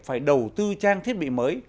phải đầu tư trang thiết bị mới